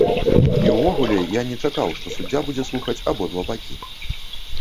І ўвогуле, я не чакаў, што суддзя будзе слухаць абодва бакі.